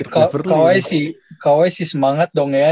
kowai sih semangat dong ya